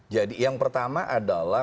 jadi yang pertama adalah